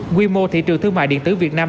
quy mô thị trường thương mại điện tử việt nam